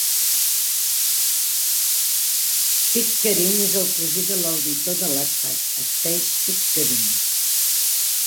Pickering és el cosí de l'auditor de l'Estat, Stacey Pickering.